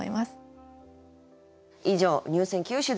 以上入選九首でした。